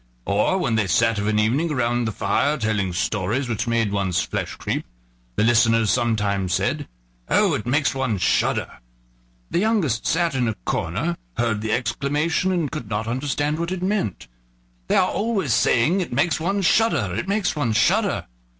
Or, when they sat of an evening around the fire telling stories which made one's flesh creep, the listeners sometimes said: "Oh! it makes one shudder," the youngest sat in a corner, heard the exclamation, and could not understand what it meant. "They are always saying it makes one shudder! it makes one shudder!